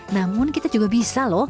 namun kita juga bisa loh